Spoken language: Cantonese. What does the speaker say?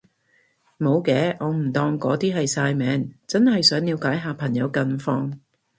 無嘅，我唔當嗰啲係曬命，真係想了解下朋友近況